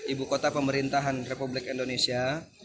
ibu kota pemerintahan republik indonesia